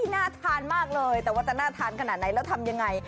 น่าทานมากเลยแต่ว่าจะน่าทานขนาดไหนแล้วทำยังไง